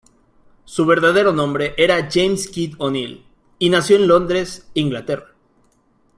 Su verdadero nombre era James Keith O'Neill, y nació en Londres, Inglaterra.